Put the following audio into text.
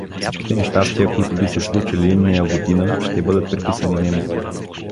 Всичките нещастия, които би се случили нея година, ще бъдат приписани нему.